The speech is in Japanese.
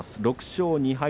６勝２敗